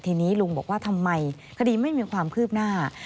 ทีนี้ลุงบอกว่าทำไมคดีไม่มีความคืบหน้า